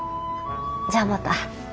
じゃあまた。